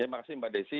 terima kasih mbak desi